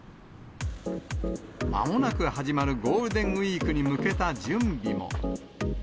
まもなく始まるゴールデンウィークに向けた準備も。